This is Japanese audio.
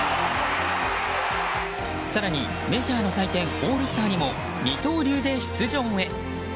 更にメジャーの祭典オールスターにも二刀流で出場へ。